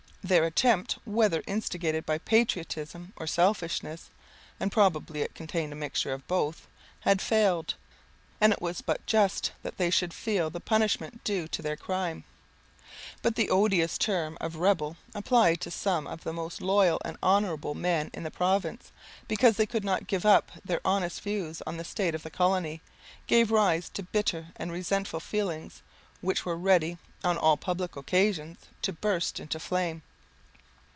Their attempt, whether instigated by patriotism or selfishness and probably it contained a mixture of both had failed, and it was but just that they should feel the punishment due to their crime. But the odious term of rebel, applied to some of the most loyal and honourable men in the province, because they could not give up their honest views on the state of the colony, gave rise to bitter and resentful feelings, which were ready, on all public occasions, to burst into a flame.